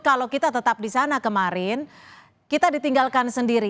kalau kita tetap di sana kemarin kita ditinggalkan sendiri